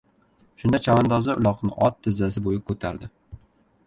Shunda chavandozi uloqni ot tizzasi bo‘yi ko‘tardi.